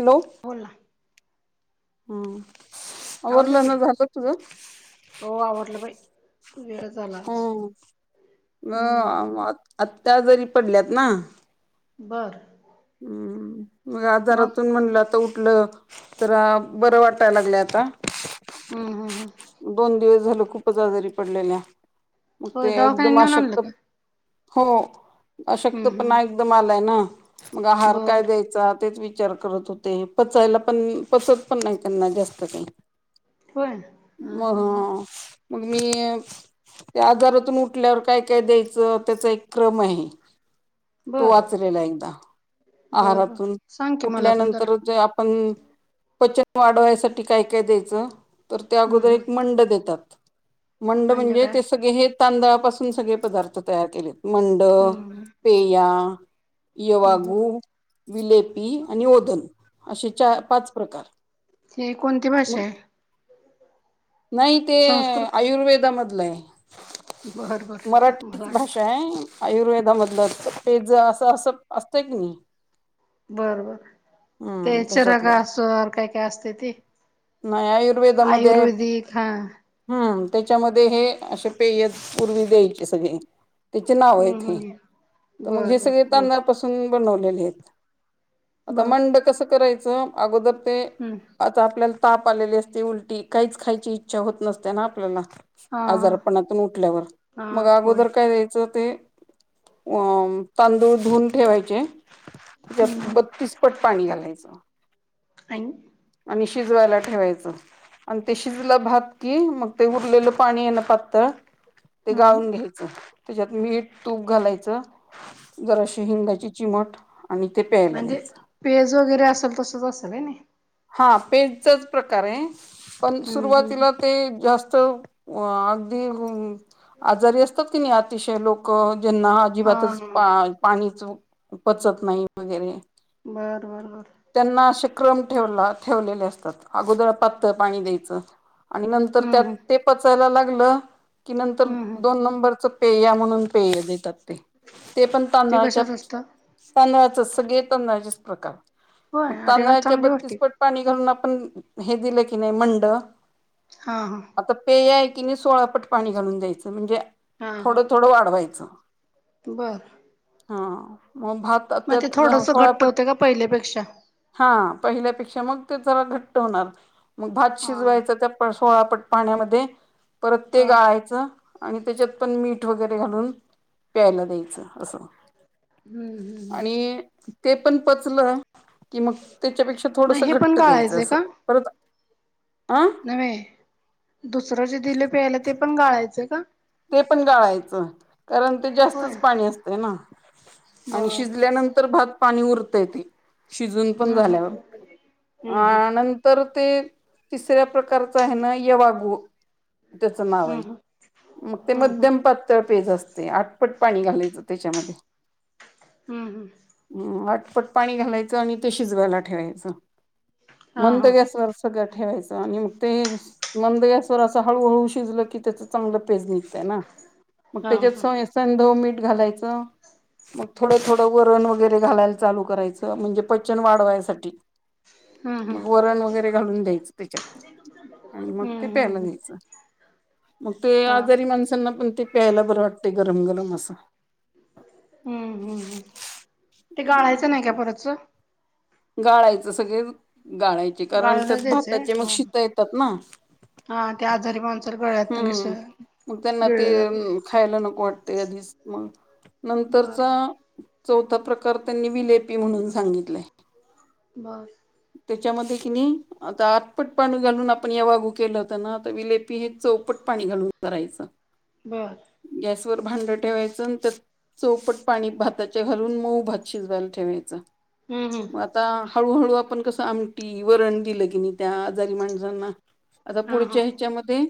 Hello बोला हम आवाज येते वरलान का? राहातात तुझं हो आवरलं बाई वेळ झालाच म आता जरी पडल्यात ना बरं हम् मग आजारातून म्हणलं आता उठलं तर बरं वाटायला लागलं आता हम् हम् हम दोन दिवस झालं खूपच आजारी पडलेल्या मग होय ते एकदम दवाखान्यात नेऊन आणलं अशक्त का? हो अशक्त हम्म पणा हम्म एकदम आलाय ना मग आहार काय बर द्यायचा तेच विच विचार करत होते पचायला पण पचत पण नाही त्यांना जास्त काही होय हम्म मग हम्म हम्म हा मग मी त्या आजारातून उठल्यावर काय काय द्यायचं त्याचा एक क्रम आहे तो बर वाचलेला एकदा बर बर आहारातून सांग की मला पण जरा उठल्यानंतर जे आपण पचन वाढवायसाठी काय काय द्यायचं तर त्या हम्म अगोदर हम्म एक मंड देतात मंड म्हणजे ते सगळे हे तांदळापासून सगळे पदार्थ तयार केले मंड हम्म हम्म पेया हम्म हम्म यवगु विलेप पी आणि ओदन असे पाच प्रकार हे कोणती भाषा मग आहे नाही ते संस्कृत आयुर्वेदामधलंय बर बर मला मराठीच वाटलं भाषा आहे आयुर्वेदामधलं पेज असं असं असतंय की नाही बर बर ते हम्म चराग त्याच्यातलं असर काय काय असते ते वेदांमध्ये आहे आयुर्वेदिक हा हम्म त्याच्यामध्ये हे असे पेयत पूर्वी द्यायची सगळी त्याचे नाव आहे हम्म ते हम्म तर मग बर हे सगळे बर बोल तनापासून मी बनवलेला आ बर मं कस कराय अ हम्म आता आपल्याला ताप आलेले असते उलटी काहीच खायची इच्छा होत नसते ना आपल्याला हा हा आजारपणातून उठल्यावर हा मग होय अगोदर काय द्यायचं ते अ तांदूळ धुून ठेवायचे हम्म बतीस पट पाणी घालायचं आणि आणि शिजवायला ठेवायचं आणि ते शिजलं भात की मग ते उरलेलं पाणी आहे ना पातळ ते हम्म गाळून घ्यायचं त्याच्यात मीठ तूप घालायचं जर अशी हिंगाची चिमट आणि ते म्हणजे द्यायचं पेज वगैरे असेल तसच असेलय नाही हा पेजचाच प्रकार आहे पण हम्म हम्म सुरुवातीला ते जास्त अगदी आजारी असतात की नाही अतिशय लोक ज्यांना हा अजिबातच हा पाणीच पचत नाही वगैरे बर बर बर त्यांना असे क्रम ठेवला ठेवलेले असतात अगोदर पातळ पाणी द्यायचं आणि नंतर हम्म त्यात हम्म ते पचायला लागलं कि नंतर हम्म हम्म दोन नंबरच पेयया म्हणून पेय देतात ते ते पण ते तांदळाच्या कशाच असतं तांदळाच सगळे तांदळाचेच प्रकार मग होय अरे वा तांदळाच्या चांगली गोष्ट बत्तीस आहे पट पाणी घालून आपण हे दिलं की नाही मंड हा हा आता पेय आहे की नाही सोळापट पाणी घालून द्यायचं म्हणजे थोडं थोडं वाढवायचं बरं हा मग भात मग ते त्यात थोडंसं सोळा घट्ट पट होतें का पहिल्यापेक्षा हा पहिल्यापेक्षा मग ते जरा घट्ट होणार मग भात हा शिजवायच त्या सोळा पट्ट पाण्यामध्ये प्रत्येक हा गाळायचं आणि त्याच्यात पण मीठ वगैरे घालून प्यायला द्यायचं असं हम्म हम्म आणि ते पण पचलं कि मग त्याच्यापेक्षा मग थोडस हे पण घट्ट द्यायचं गाळायचंय असं का परत अं नव्हे दुसरं जे दिले प्यायला ते पण गाळायचं का ते पण गाळायचं कारण ते होय जास्तच पाणी असतं ना आणि बर शिजल्यानंतर तर भात पाणी उरते त शिजून पण हम्म हम्म हम्म झाल्यावर तर ते तिसऱ्या प्रकारचं आहे ना यवागु त्याचं नाव आहे हम्म मग ते हम्म मध्यम पातळ पेज असते आठपट पाणी घालायचं त्याच्यामध्ये हम्म हम्म ह आठपट पाणी घालायचं आणि ते शिजवायला ठेवायचं हा मंद हा गॅसवर सगळं ठेवायचं आणि मग ते मंद गॅसवर असं हळूहळू शिजलं की त्याच चांगलं पेज निघत्या ना मग हा त्याच्यात हा सय संदो मीठ घालायचं मग थोडं थोडं वरण वगैरे घालायला चालू करायचं म्हणजे पचन वाढवायसाठी हम्म मग हम्म वरण वगैरे घालून द्यायचं त्याच्यात आणि मग ते प्यायला हम्म घ्यायचं मग ते हा आजारी माणसांना पण ते प्यायला बर वाटतय गरम गरम असं. हम्म हम्म ते गाळायचं नाही का परतच गाळायचं सगळे गाळाय ची कारण गाळूनच त्यात द्यायचंय भाताचे मग हा शीतं येतात ना. हा ते आजारी माणस हम्म हम्म हम्म मग त्यांना ते जात नाही खायला नको वाटते आधीच मग बर नंतरचा चौथा प्रकार त्यांनी विलेपी म्हणून सांगितलंय. मग तेच्यामध्ये कि नाही आता आठपट पाणी घालून आपण या वागू केलं होत ना, आता विलेपी हे चौपट पाणी घालून करायचं. बरं गॅसवर भांडं ठेवायचं त्या चौपट पाणी भाताच्या घालून मऊ भात शिजवायला ठेवायच हम्म हम्म मग आता हळू हळू आपण कसं आमटी वरण दिलं की नाही त्या आजारी माणसांना आता हा हा पुढच्या ह्याच्यामध्ये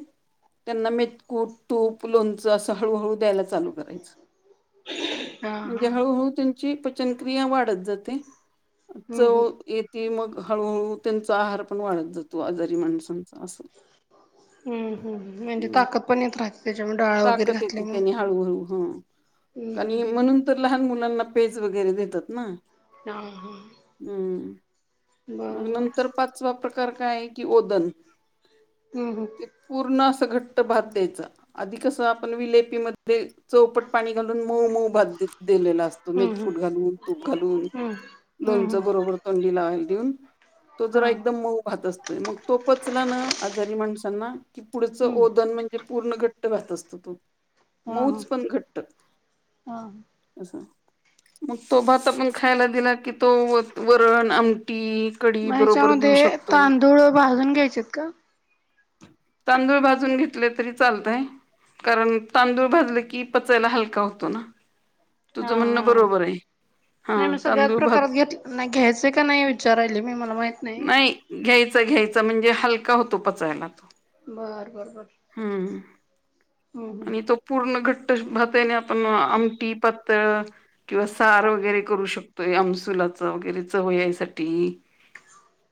त्यांना मेेतकूट, तूप, लोणचं, असं हळूहळू द्यायला चालू करायचंय हा हा म्हणजे हळु हळू ती ची पचनक्रिया वाढत जाते चव हम्म हम्म ये ती मग हळूहळू त्यांचा आहार पण वाढत जातो आजारी माणस हम् हम् ह म्हणजे ताकत पन येत राहते तेज्यामूळ डा ताकत येते त्यानी हळूहळू हम्म हा आणि हम्म म्हणून तर लहान मुलांना पेज वगैरे देतात ना. हा, हां. हम्म मग नंतर पाचवा प्रकार काय आहे कि ओदन हम्म हम्म. ते पूर्ण असं घट्ट भात द्यायचा आधि कसं आपण विलेपीम ते चौपट पाणी घालून मऊ मऊ भात दिलेला असतो हम्म मेतकूट घालून. तूप घालून हम्म हम्म लोणचं बरोबर तथंडी लाला देऊन. तो हा जरा एकदम मऊ भात असतोय, मग तो पचला ना आजारी माणसांना कि पुढचं हम्म ओदन म्हणजे पूर्ण घट्ट वाहत असतं तो. हा हा मऊचं पण घट्ट. हा मग मग तो भात पण खायला दिला की तो वरण आमटी कढी मग बरोबर देऊ ह्याच्यामध्ये शकतो तांदूळ भाजून घ्यायचेत का? तांदूळ भाजून घेतले तरी चालतयं. कारण तांदूळ भाजले की पचायला हलका होतो ना, हा तुझं म्हणणं हा बरोबर आहे. हा नाही मी सगळ्याच तांदूळ प्रकारात भाज घेत नाही घ्यायचें का नाही विचारायले मी मला माहीत नाही. घ्यायचं घ्यायचं म्हणजे हलका होतो पचायला तो. बर बर बर. हम्म हम्म आणि तो पूर्ण घट्ट भात आणि आपण आमटी पातळ किंवा सार वगैरे करू शकतोय आमसुलाच वगैरे चव यायसाठी.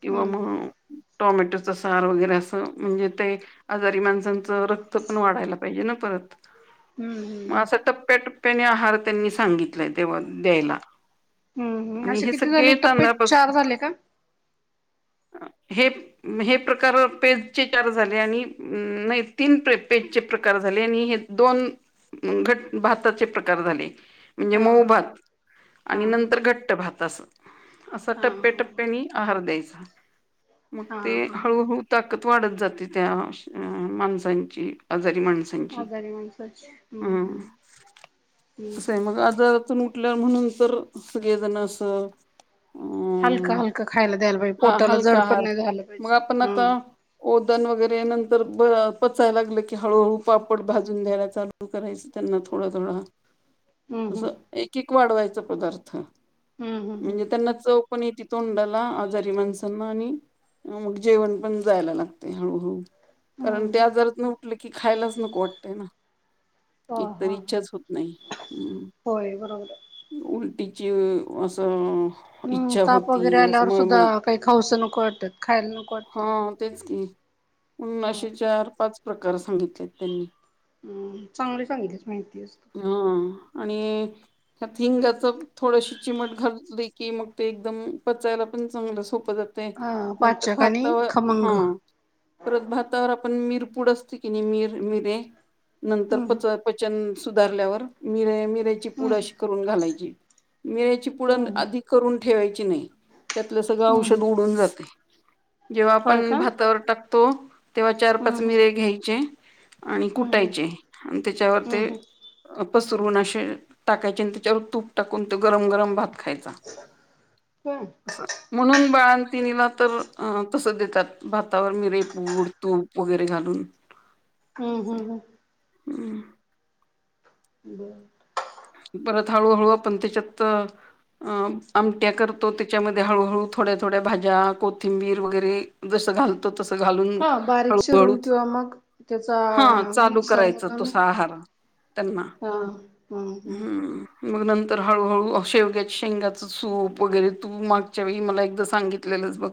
किंवा हम्म हम्म मग टोमॅटोच सार वगैरे असं म्हणजे ते आजारी माणसांचं रक् त वाढायला पाहिजे ना परत हम्म हम्म म अस हम्म टप्या टप पेनी आहार त्यांनी सांगितलाय तेव्हा द्यायला. हम्म हम्म आणि असे हे किती झाले सगळे टप्पे चार तांदळापासून झाले का? हे हे प्रकार पेचे चार झाले आणि नाही तीन प्रे पेचचे प्रकार झाले आणि हे दोन घट भाताचे प्रकार झाले. म्हणजे हा मऊ हा भात आणि हा नंतर हा घट्ट भात असं, असं हा टप्प्याटप्प्यानी आहार द्यायचा मग हा हा ते हा हळूहळू ताकद वाढत जाते त्या माणसांची आजारी माणस आजारी माणसाचे हम्म हम्म अं... हम्म कसये मग आता तुम- म्हटल्या म्हणून तर, सगळेजण असं- अम हलक-हलक खायला द्यायला पाहिजे, हा पोटला हलका जड पण आहार नाही झालं मग पाहिजे. आपण आता ओदन वगैरे नंतर ब पचायला लागले की, हळूहळू पापड भाजून द्यायला चालू करायचं त्यांना थोडं-थोडं, हम्म असं एक एक वाढवायचं पदार्थ हम्म हम्म म्हणजे त्यांना चौ- कोण ती तोंडाला आजारी माणसांना आणि- मग जेवण पण जायला लागते हळूहळू, कारण त्या हम्म आजारात नं- म्हटलं की खायलाच नको वाटतयं ना, ह एकतरी ह इच्छाच होत नाही. होय बरोबर. उलटीची असं- हम इच्छा ताप वगैरे होती असं आल्यावर सुद्धा मळमळत काही खाऊचं नको वाटतं खायला नको वाटतं. हा तेच की, अं.. असे चार पाच प्रकार सांगित- हं चांगली सांगितली माहिती अस- हां आणि... त्यात हिंगाच थोडशी चिमट घातली की, मग ते एकदम पचायला पण चांगलं सोपं जात. ते हा नंतर पाचक आणि भातावर खमंग हं - परत भातावर आपण मिरपूड असते की नाही मिर मिरे- नंतर हम्म पच पचन सुधारल्यावर मिरे मिरेची हम्म पूडशी- करून घालायची, मिराची पुडण हम्म आधी करून ठेवायची नाही. त्यातलं सगळं हम्म औषध उडून जातय, जेव्हा होय आपण का भातावर टाकतो, तेव्हा चार- हम्म हम्म पाचमिरे घ्यायचे, आणि हम्म कुटायचे आणि त्याच्यावर हम्म हम्म ते- पसरवून असे टाकायचे, आणि त्याच्यावर तूप टाकून ते गरम-गरम भात खायचा. हं.. म्हणून बाळांतिनीला तर तसं देतात, भातावर मिरेपपूड तूप, वगैरे घालून. हं हं हं.. हं.. बरं.. परत हळूहळू आपण त्याच्यात- अं आमट्या करतो, त्याच्यामध्ये हळूहळू थोड्या -थोड्या भाज्या कोथिंबीर वगैरे- जस घालतो तसं, घालून हा बारीक हळूहळू चिरून किंवा मग, त्याचा हा चालू करायचं मिक्सरमधून- तसा आहार हां हं.. मग नंतर हळूहळू शेवग्या शेंगाचं सूप, वगैरे तू मागच्या वेळी मला एकदा सांगितलेलंच बघ.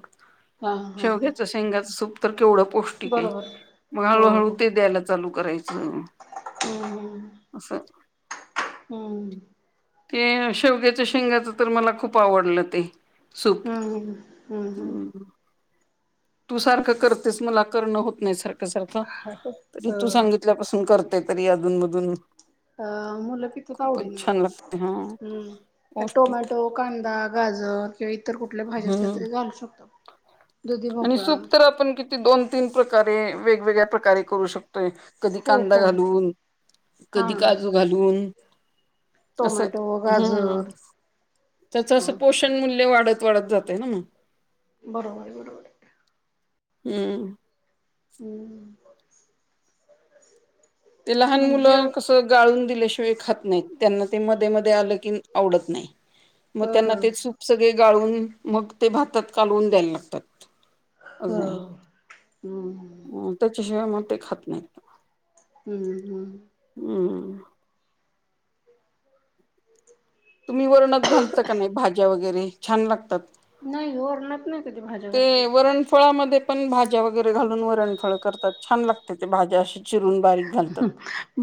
हा [inaudible] हा हा शेवग्याच शेंगाचं सूप तर केवढं पौष्टिक आहे, बरोबर मग हळूहळू ते द्यायला- चालू करायचं. हं हं असं.. हं हं ते शेवग्याच्या शेंगाच तर, मला खूप आवडलं ते, सूप हम्म हम्म हम्म तू सारखं करतेस मला करणं होत नाही सारखं सारखं, तरी तू सांगितल्यापासून करत- तरी अजून मधून, अं मुलं पितात खूपच आवडीन छान लागते हा हं, पौष्टिक टोमॅटो, कांदा, गाजर किंवा इतर कुठल्या भाज्या असल्या हम्म तरी घालू शकतात. आणि सूप तर आपण किती दोन तीन प्रकारे, वेगवेगळ्या प्रकारे करू शकतोय. कधी हो कांदा होय घालून हा कधी काजू घालून. असं टोमॅटो हं गाजर त्याच अस होय पोष- मूल्य वाढत वाढत जात ना मग बरोबर बरोबर हम् हम्म ते लहान म्हणजे मुलं गाळून दिल्याशिवाय खात नाही त्यांना ते मध्ये मध्ये आलं की आवडत नाही मग त्यांना अ ते सूप सगळे गाळून मग ते भातात कालवून द्यायला लागतात हो अजून हम् त्याच्याशिवाय मग ते खात नाहीत हम्म हम्म हम् तुम्ही वर्णक घालता का नाही भाज्या वगैरे छान लागतात नाही वरणात नाही कधी भाज्या ते घातलेल्या. वरणफळामध्ये पण भाज्या वगैरे घालून वरणफळ करतात छान लागते ते भाज्या अशी चिरून बारीक घालतात.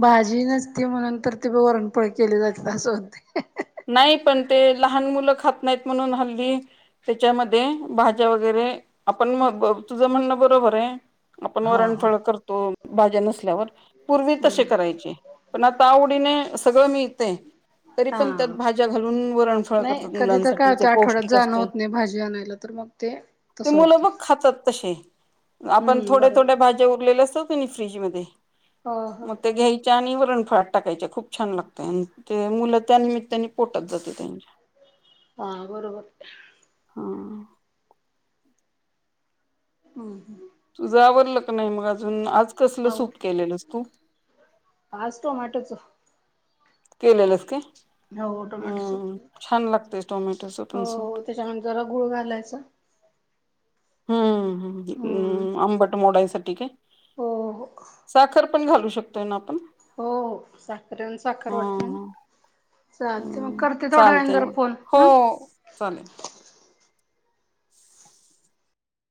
भाजी नसती म्हणून तर ते वरणपळ केली जाते अस होते नाही पण ते लहान मुलं खात नाहीत म्हणून हल्दी त्याच्यामध्ये भाज्या वगैरे आपण तुझं म्हणणं बरोबर आहे आपण हा हा. वरणफळ करतो भाज्या नसल्यावर पूर्वी तसे करायचे पण आता आवडीने सगळं मी यथे तरी हा. पण घाून वरण नाही करतात कधी तर काय मुलांसाठी ते होते आठवड्यात पौष्टिक जाणं असते होत नाही भाजी आणायला तर मग ते ते तसं मुलं होते. बघ खातात त आपण हम्म थोड्या बरोबर थोड्या भाज्या उरलेल्या अस फ्रीज मध्ये हो हो मग ते घ्याय आणि वरणफळट टाकायच्या खूप छान लागत आणि ते मुलं त्यानिमित्ताने पोटत जाते त्यांच्या ह बरोबर होम हम् हम् तुझं आवडलं क नाही मग अजून आज कसलं सूप केलेलंस तू हच तो मटच केलेलंच का हो टोमॅटो सूप. हम्म छान लागतय टोमॅटो सपून सूप त्याच्यानंत जरा गुळ घालायच हम् हम्म. हमम् आंबट मोडायसाठी काय हो हो साखर पण घालू शकतोय ना आपण हो साखरेून साखर हा वाटते हा चालते मग हम्म करते थोड व चालतय जर मग फोन हो ह चालेल